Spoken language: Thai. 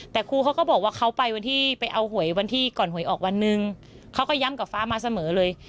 แต่ครูเขาก็บอกว่าเขาไปวันที่ไปเอาหวยวันที่ก่อนหวยออกวันหนึ่งเขาก็ย้ำกับฟ้ามาเสมอเลย